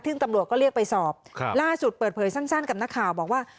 ซึ่งตำรวจก็เรียกไปสอบล่าสุดเปิดเผยสั้นกับนักข่าวบอกว่า